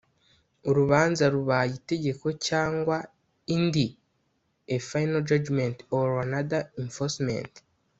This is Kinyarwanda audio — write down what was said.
Urubanza rubaye itegeko cyangwa indi A final judgement or another enforcement